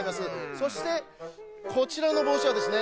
そしてこちらのぼうしはですね